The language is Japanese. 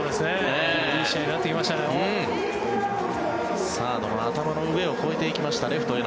いい試合になってきましたよ。